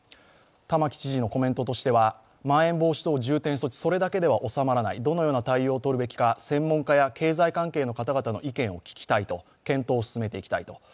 玉城知事のコメントとしては、まん延防止等重点措置、それだけでは収まらない、それだけでは収まらない、どのような対応を取るべきか専門家や経済関係の方々の意見を聞きたいと検討を進めていきたいと。